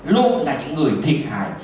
luôn là những người thiệt hại